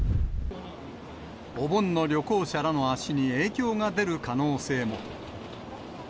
お盆の旅行者らの足に影響が出る可能性も。